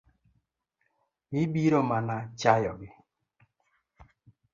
Ibiro mana chayo gi.